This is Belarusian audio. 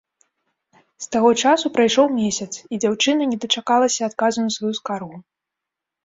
З таго часу прайшоў месяц, і дзяўчына не дачакалася адказу на сваю скаргу.